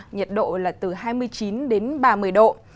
nhiệt độ là từ hai mươi chín đến ba mươi độ